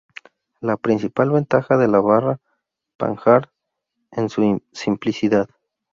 La principal ventaja de la barra Panhard es su simplicidad.